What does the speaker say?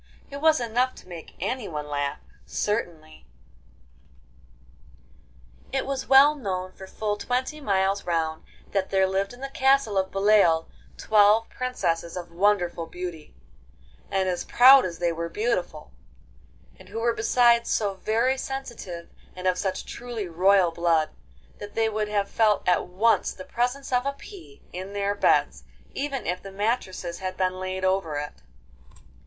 It was enough to make anyone laugh, certainly. III It was well known for full twenty miles round that there lived in the castle of Beloeil twelve princesses of wonderful beauty, and as proud as they were beautiful, and who were besides so very sensitive and of such truly royal blood, that they would have felt at once the presence of a pea in their beds, even if the mattresses had been laid over it.